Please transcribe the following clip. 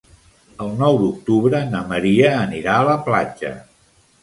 El nou d'octubre na Maria anirà a la platja.